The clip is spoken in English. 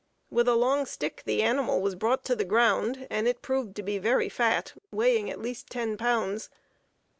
With a long stick the animal was brought to the ground, and it proved to be very fat, weighing at least ten pounds.